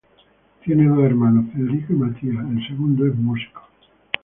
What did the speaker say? Tiene dos hermanos: Federico y Matías, el segundo es músico.